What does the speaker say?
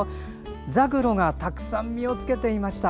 ザクロがたくさん実をつけていました。